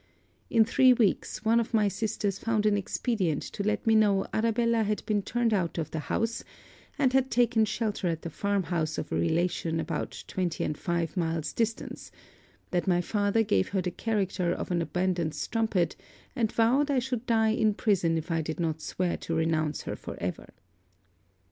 In three weeks, one of my sisters found an expedient to let me know Arabella had been turned out of the house, and had taken shelter at the farm house of a relation about five and twenty miles distance; that my father gave her the character of an abandoned strumpet, and vowed I should die in prison if I did not swear to renounce her for ever.